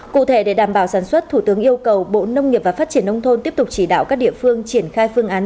cụ thể để đảm bảo sản xuất thủ tướng yêu cầu bộ nông nghiệp và phát triển nông thôn tiếp tục chỉ đạo các địa phương triển khai phương án